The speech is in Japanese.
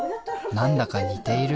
何だか似ている？